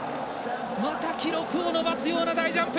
また記録を伸ばすような大ジャンプ！